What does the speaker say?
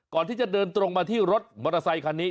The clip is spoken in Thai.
ก่อนที่จะเดินตรงมาที่รถมอเตอร์ไซคันนี้